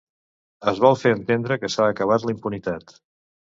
Es vol fer entendre que s'ha acabat la impunitat